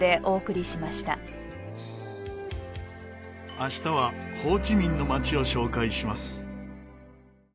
明日はホーチミンの街を紹介します。